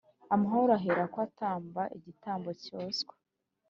amahoro Aherako atamba igitambo cyoswa